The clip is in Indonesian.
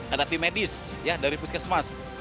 ada tim medis ya dari puskesmas